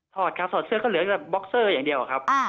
อดครับถอดเสื้อก็เหลือแต่บ็อกเซอร์อย่างเดียวครับ